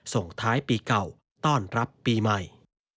ส่งท้ายปีเก่าต้อนรับปีใหม่